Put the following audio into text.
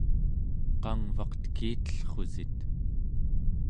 qangvaq tekitellrusit?